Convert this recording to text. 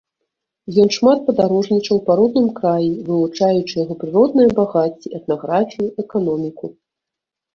Ён шмат падарожнічаў па родным краі, вывучаючы яго прыродныя багацці, этнаграфію, эканоміку.